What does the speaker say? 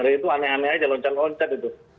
dari itu aneh aneh aja loncat loncat itu